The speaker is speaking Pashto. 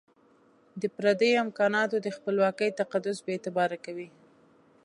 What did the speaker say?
د پردیو امکانات د خپلواکۍ تقدس بي اعتباره کوي.